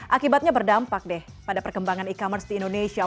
akibatnya berdampak deh pada perkembangan e commerce di indonesia